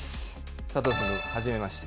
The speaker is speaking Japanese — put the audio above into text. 佐藤さん、はじめまして。